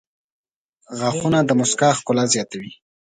• غاښونه د مسکا ښکلا زیاتوي.